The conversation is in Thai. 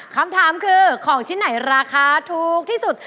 คำถามคือของชิ้นไหนราคาถูกที่สุด